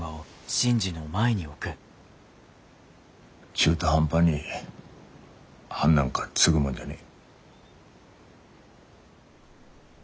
中途半端に判なんかつぐもんじゃねえ。